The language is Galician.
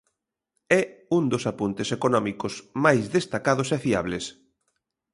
É un dos apuntes económicos máis destacados e fiables.